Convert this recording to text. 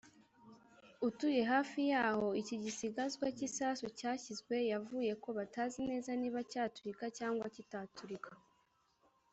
utuye hafi y’aho iki gisigazwa cy’igisasu cyashyizwe yavuze ko batazi neza niba cyaturika cyangwa kitaturika